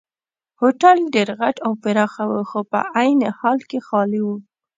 هوټل ډېر غټ او پراخه وو خو په عین حال کې خالي وو.